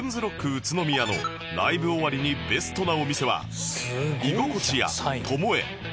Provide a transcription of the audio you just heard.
宇都宮のライブ終わりにベストなお店は居心家 ＴＯＭＯＥ